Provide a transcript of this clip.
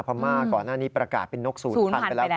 พม่าก่อนหน้านี้ประกาศเป็นนกศูนย์พันธุ์ไปแล้ว